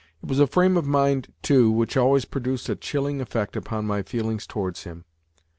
It was a frame of mind, too, which always produced a chilling effect upon my feelings towards him.